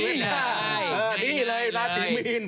นี่เลยราศีมีน